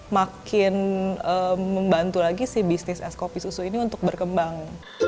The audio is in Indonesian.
makin membantu lagi si bisnis es kopi susu ini untuk berkembang